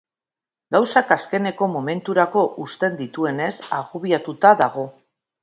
Gauzak azkeneko momenturako uzten dituenez, agobiatuta dago.